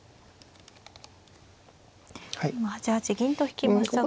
今８八銀と引きましたが。